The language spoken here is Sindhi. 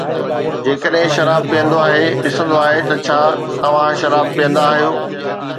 جيڪڏھن شراب پيئندو آھي، ڏسندو آھي ته ڇا توھان شراب پيئندا آھيو